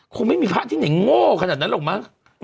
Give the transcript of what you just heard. คงไม่มีพระที่ไหนโง่ขนาดนั้นหรอกมั้ง